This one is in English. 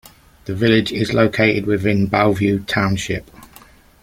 The village is located within Bellevue Township.